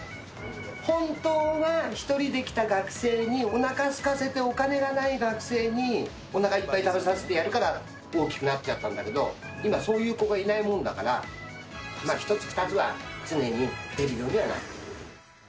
本当は１人で来た学生に、おなかすかせて、お金のない学生に、おなかいっぱい食べさせてやるから大きくなっちゃったんだけど、今、そういう子がいないもんだから、１つ、２つは常にできるようにはなってる。